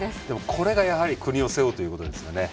これがやはり国を背負うということですよね。